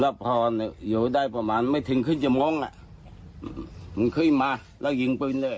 แล้วพออยู่ได้ประมาณไม่ถึงครึ่งชั่วโมงอ่ะมันขึ้นมาแล้วยิงปืนเลย